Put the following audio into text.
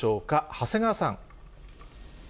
長谷川さん。